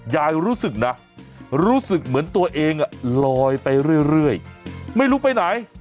ยายรู้สึกนะรู้สึกเหมือนตัวเองลอยไปเรื่อยไม่รู้ไปไหน